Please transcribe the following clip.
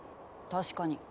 確かに。